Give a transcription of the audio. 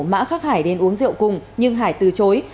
mã khác hải đến uống rượu cùng nhưng hải từ chối